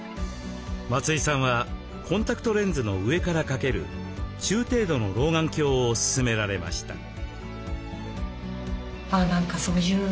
松井さんはコンタクトレンズの上から掛ける中程度の老眼鏡を勧められました。